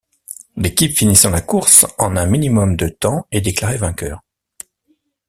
L'équipe finissant la course en un minimum de temps est déclarée vainqueur.